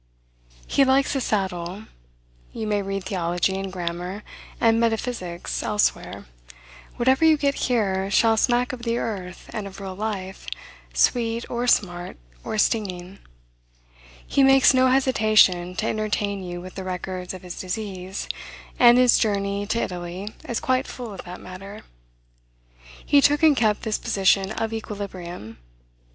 He likes his saddle. You may read theology, and grammar, and metaphysics elsewhere. Whatever you get here, shall smack of the earth and of real life, sweet, or smart, or stinging. He makes no hesitation to entertain you with the records of his disease; and his journey to Italy is quite full of that matter. He took and kept this position of equilibrium.